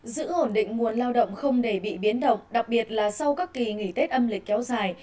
giữ ổn định nguồn lao động không để bị biến động đặc biệt là sau các kỳ nghỉ tết âm lịch kéo dài